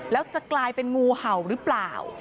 แล้วจะกลายเป็นงูเห่าหรือเปล่า